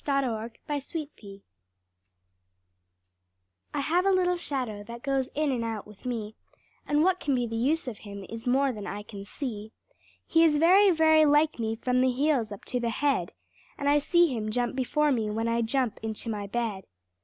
[Pg 20] MY SHADOW I have a little shadow that goes in and out with me, And what can be the use of him is more than I can see. He is very, very like me from the heels up to the head; And I see him jump before me, when I jump into my bed.